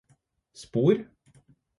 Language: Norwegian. spor